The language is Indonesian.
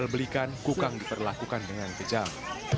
jual belikan kukang diperlakukan dengan kejam